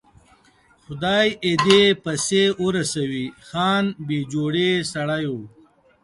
خدای یې دې پسې ورسوي، خان بې جوړې سړی و.